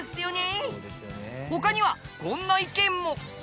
他にはこんな意見も。